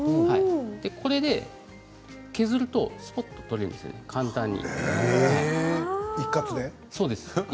これで削るとすぽっと取れるんです、簡単に。